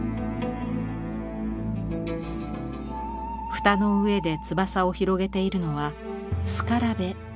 蓋の上で翼を広げているのはスカラベ。